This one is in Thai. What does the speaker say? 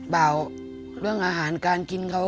เบาเรื่องอาหารการกินเขา